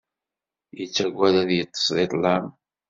Yettagad ad yeṭṭes di ṭṭlam.